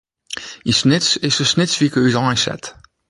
Yn Snits is de Snitswike úteinset.